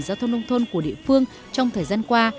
giao thông nông thôn của địa phương trong thời gian qua